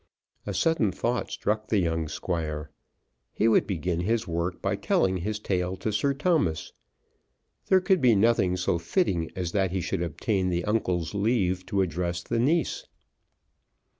A sudden thought struck the young Squire. He would begin his work by telling his tale to Sir Thomas. There could be nothing so fitting as that he should obtain the uncle's leave to address the niece.